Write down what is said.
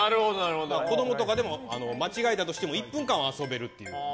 子供とかも間違えたとしても１分間は遊べるという。